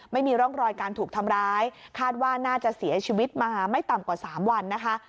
ไม่มีร่องรอยการถูกทำร้ายคาดว่าน่าจะเสียชีวิตมาไม่ต่ำกว่า๓วันนะคะ